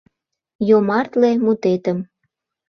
Йомартле мутетым